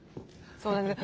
そうなんですよ